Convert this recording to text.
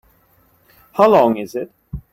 How long is it?